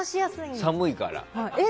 寒いから。